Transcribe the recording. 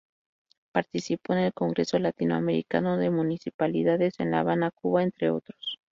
Participó en el Congreso Latinoamericano de Municipalidades, en La Habana, Cuba, entre otros.